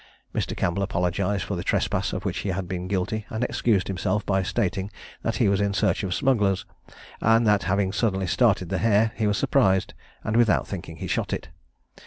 Mr. Campbell apologised for the trespass of which he had been guilty, and excused himself by stating that he was in search of smugglers, and that having suddenly started the hare, he was surprised, and without thinking, he shot it.